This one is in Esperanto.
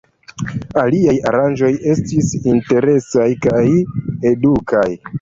Aliaj aranĝoj estis interesaj kaj edukaj.